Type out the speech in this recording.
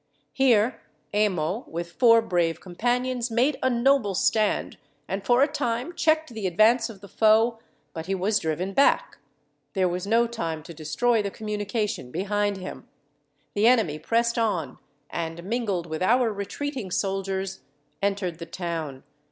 Here Emo, with four brave companions, made a noble stand, and for a time checked the advance of the foe; but he was driven back. There was no time to destroy the communication behind him. The enemy pressed on, and, mingled with our retreating soldiers, entered the town.